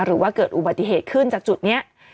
หรือว่าเกิดอุบัติเหตุขึ้นจากจุดนี้